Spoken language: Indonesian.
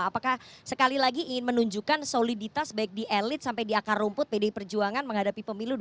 apakah sekali lagi ingin menunjukkan soliditas baik di elit sampai di akar rumput pdi perjuangan menghadapi pemilu dua ribu dua puluh